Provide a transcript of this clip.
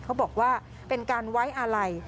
เขาบอกว่าเป็นการไว้อาลัย